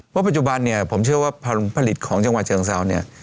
เพราะปัจจุบันเนี่ยผมเชื่อว่าผลิตของจังหวัดเชิงเซาเนี่ย